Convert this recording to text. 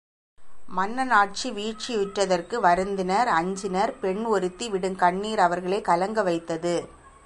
மன்னன் ஆட்சி வீழ்ச்சியுற்றதற்கு வருந்தினர் அஞ்சினர் பெண் ஒருத்தி விடும் கண்ணிர் அவர்களைக் கலங்க வைத்தது.